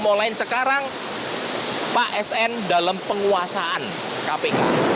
mulai sekarang pak sn dalam penguasaan kpk